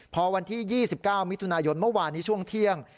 พอวันที่๒๙มิถุนายนเมื่อวานนี้ช่วงเที่ยง